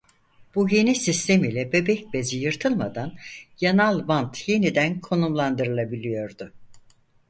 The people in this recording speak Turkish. Bu yeni sistem ile bebek bezi yırtılmadan yanal bant yeniden konumlandırılabiliyordu.